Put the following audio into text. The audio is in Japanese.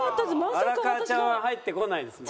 荒川ちゃんは入ってこないんですね。